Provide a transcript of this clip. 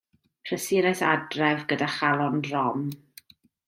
Prysurais adref gyda chalon drom.